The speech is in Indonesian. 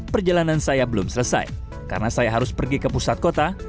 perjalanan saya belum selesai karena saya harus pergi ke pusat kota